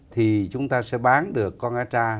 thì chúng ta sẽ bán được con cá tra